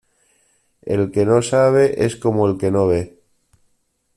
El que no sabe es como el que no ve.